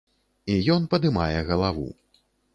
І ён падымае галаву.